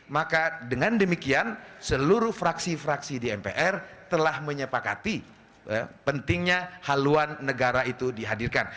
maka dengan demikian seluruh fraksi fraksi di mpr telah menyepakati pentingnya haluan negara itu dihadirkan